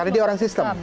karena dia orang sistem